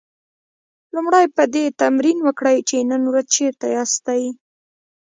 لومړی په دې تمرکز وکړئ چې نن ورځ چېرته ياستئ.